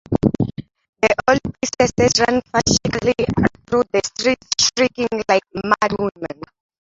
The old priestesses run frantically through the streets shrieking like madwomen.